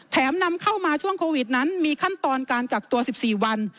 นำเข้ามาช่วงโควิดนั้นมีขั้นตอนการกักตัว๑๔วัน